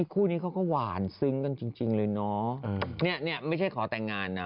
คู่นี้เขาก็หวานซึ้งกันจริงเลยเนาะเนี่ยไม่ใช่ขอแต่งงานนะ